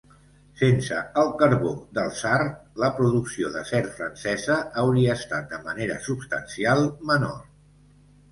Sense el carbó del Saar, la producció d'acer francesa hauria estat de manera substancial menor.